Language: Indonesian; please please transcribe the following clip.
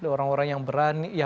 orang orang yang bermimpi